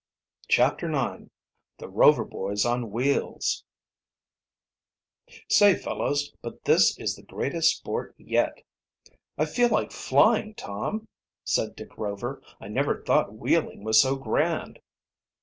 CHAPTER IX THE ROVER BOYS ON WHEELS "Say, fellows, but this is the greatest sport yet!" "I feel like flying, Tom," said Dick Rover. "I never thought wheeling was so grand."